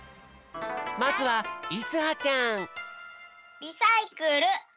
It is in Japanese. まずはいつはちゃん！